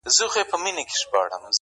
گرانه دا اوس ستا د ځوانۍ په خاطر.